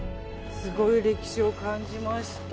すごい歴史を感じました。